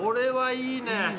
いいね。